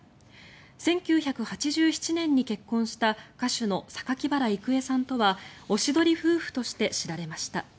１９８７年に結婚した歌手の榊原郁恵さんとはおしどり夫婦として知られました。